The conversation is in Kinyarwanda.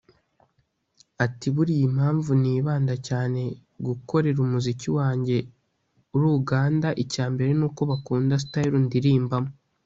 Ati “Buriya impamvu nibanda cyane gukorera umuziki wanjye uri Uganda icya mbere ni uko bakunda style ndirimbamo